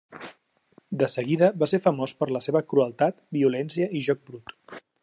De seguida va ser famós per la seva crueltat, violència i joc brut.